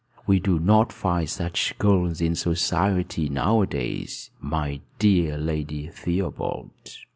We do not find such girls in society nowadays, my dear Lady Theobald.